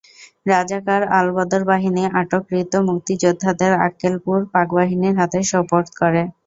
রাজাকার আলবদর বাহিনী আটককৃত মুক্তিযোদ্ধাদের আক্কেলপুর পাকবাহিনীর হাতে সোপর্দ করে।